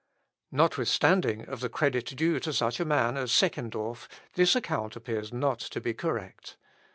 Notwithstanding of the credit due to such a man as Seckendorff, this account appears not to be correct.